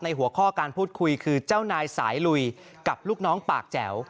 หัวข้อการพูดคุยคือเจ้านายสายลุยกับลูกน้องปากแจ๋ว